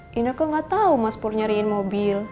tapi ineke gak tau mas pur nyariin mobil